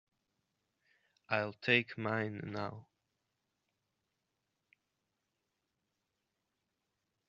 I'll take mine now.